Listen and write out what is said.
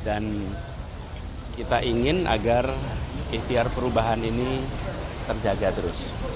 dan kita ingin agar ihtiar perubahan ini terjaga terus